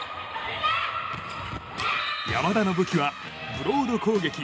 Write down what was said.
山田の武器はブロード攻撃。